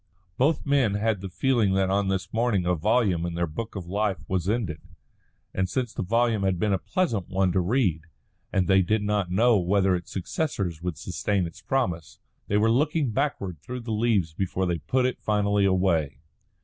Both men had the feeling that on this morning a volume in their book of life was ended; and since the volume had been a pleasant one to read, and they did not know whether its successors would sustain its promise, they were looking backward through the leaves before they put it finally away.